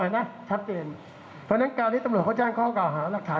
นะชัดเจนเพราะฉะนั้นการที่ตำรวจเขาแจ้งข้อเก่าหารักฐาน